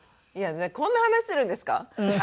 いやこんな話するんですか？